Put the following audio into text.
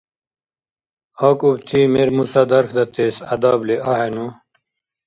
АкӀубти мер-муса дархьдатес гӀядабли ахӀену?